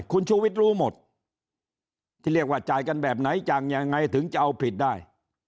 คุณชูวิทย์รู้หมดที่เรียกว่าจ่ายกันแบบไหนจ่ายยังไงถึงจะเอาผิดได้